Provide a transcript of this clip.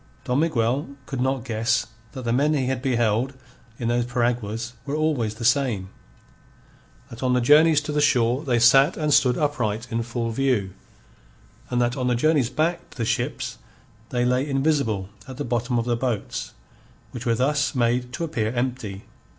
Don Miguel could not guess that the men he had beheld in those piraguas were always the same; that on the journeys to the shore they sat and stood upright in full view; and that on the journeys back to the ships, they lay invisible at the bottom of the boats, which were thus made to appear empty.